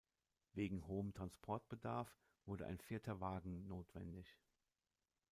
Wegen hohem Transportbedarf wurde ein vierter Wagen notwendig.